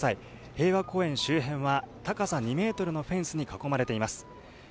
平和公園周辺は高さ２メートルのフェンスに囲まれています。